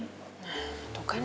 tetapkan buat kita gitu kan